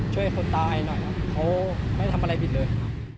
ช่วยคนตายหน่อยครับเขาไม่ได้ทำอะไรผิดเลย